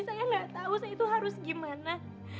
saya gak tahu saya tuh harus gimana